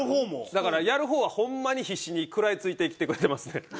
だからやる方はホンマに必死に食らい付いてきてくれてますね。